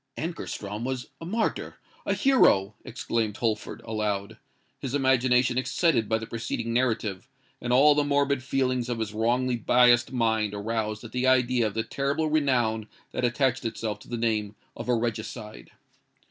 "Ankarstrom was a martyr—a hero!" exclaimed Holford, aloud; his imagination excited by the preceding narrative, and all the morbid feelings of his wrongly biassed mind aroused at the idea of the terrible renown that attached itself to the name of a regicide.